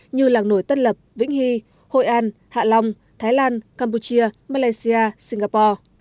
như làng nổi tân lập vĩnh hy hội an hạ long thái lan campuchia malaysia singapore